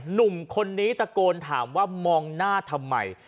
หนุ่มคนนี้ตะโกนถามว่ามองหน้าทำไม